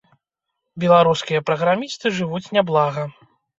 Беларускія праграмісты жывуць няблага.